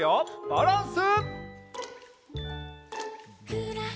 バランス。